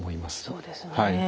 そうですね。